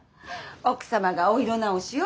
奥様がお色直しを？